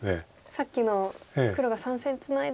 さっきの黒が３線ツナいで